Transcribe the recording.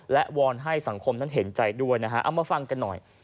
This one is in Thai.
และวอนให้สังคมนั้นเห็นใจด้วยนะฮะเอามาฟังกันหน่อย